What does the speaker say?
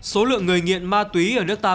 số lượng người nghiện ma túy ở nước ta